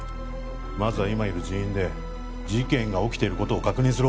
まずは今いる人員で事件が起きていることを確認する